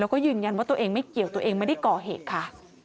แล้วก็ยืนยันว่าตัวเองไม่เกี่ยวตัวเองไม่ได้ก่อเหตุค่ะ